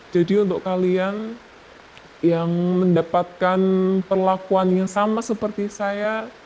jadi untuk kalian yang mendapatkan perlakuan yang sama seperti saya